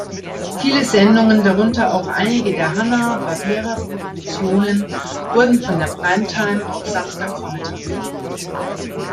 Viele Sendungen, darunter auch einige der Hanna-Barbera-Produktionen, wurden von der Primetime auf Samstagvormittag verlegt.